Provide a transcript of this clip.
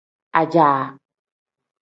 Ajaa.